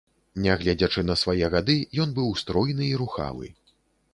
Нягледзячы на свае гады, ён быў стройны і рухавы.